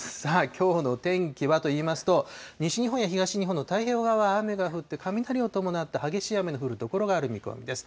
きょうの天気はといいますと、西日本や東日本の太平洋側は雨が降って、雷を伴った激しい雨の降る所がある見込みです。